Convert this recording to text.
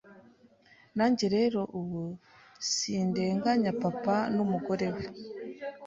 Nanjye rero ubu sindenganya papa n’umugore we